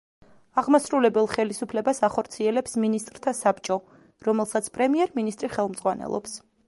აღმასრულებელ ხელისუფლებას ახორციელებს მინისტრთა საბჭო, რომელსაც პრემიერ-მინისტრი ხელმძღვანელობს.